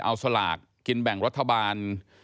เอาสลากกินแบ่งรัฐบาล